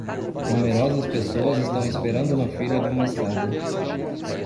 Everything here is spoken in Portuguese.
Numerosas pessoas estão esperando na fila de uma escada.